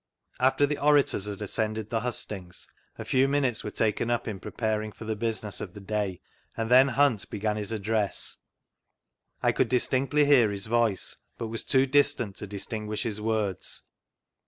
After the orators had ascended the hustings, a few minutes were taken up in preparing for the business of the day, and then Hunt began his address. I could distinctly hear his voice, but was too distant to distinguish his words.